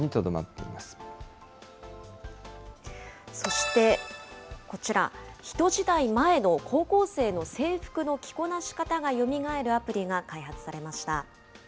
いまそしてこちら、ひと時代前の高校生の制服の着こなし方がよみがえるアプリが開発